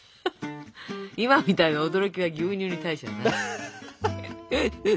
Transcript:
今みたいな驚きは牛乳に対しての何？